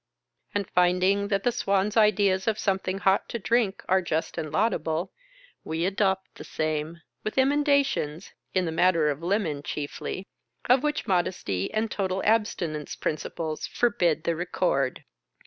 — and finding that the Swan's ideas of something hot to drink are just and laudable, we adopt the same, with emendations (in the matter of lemon chiefly) of which modesty and total abstinence prin ciples forbid the record.